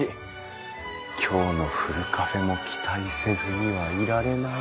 今日のふるカフェも期待せずにはいられない。